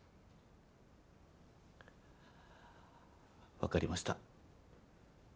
わかりました。